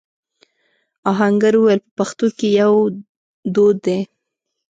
آهنګر وويل: په پښتنو کې يو دود دی.